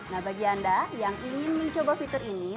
nah bagi anda yang ingin mencoba fitur ini